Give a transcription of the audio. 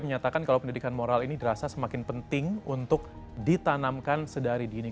menyatakan kalau pendidikan moral ini dirasa semakin penting untuk ditanamkan sedari dini